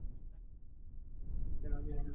এই গল্পগুলো তার বাবা স্টিফেন হকিং এর সাথে লেখা।